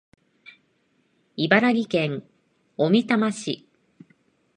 茨城県小美玉市